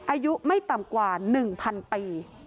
อายุไม่ต่ำกว่า๑๐๐ปี